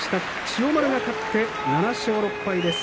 千代丸が勝って７勝６敗です。